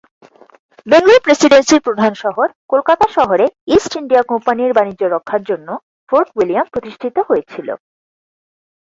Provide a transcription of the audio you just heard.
বেঙ্গল প্রেসিডেন্সির প্রধান শহর কলকাতা শহরে ইস্ট ইন্ডিয়া কোম্পানির বাণিজ্য রক্ষার জন্য ফোর্ট উইলিয়াম প্রতিষ্ঠিত হয়েছিল।